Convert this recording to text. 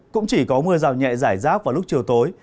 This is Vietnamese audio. cũng chỉ có mưa rào nhẹ giải rác vào lúc chiều tối